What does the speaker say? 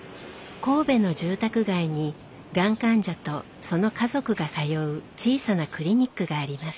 神戸の住宅街にがん患者とその家族が通う小さなクリニックがあります。